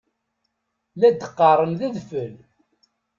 La d-qqaṛen d adfel.